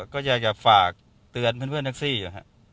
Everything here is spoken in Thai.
ก็อยากจะฝากเตือนเพื่อนนักซี่อยู่ครับ